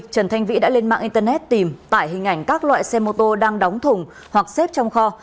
trần thanh vĩ đã lên mạng internet tìm tải hình ảnh các loại xe mô tô đang đóng thùng hoặc xếp trong kho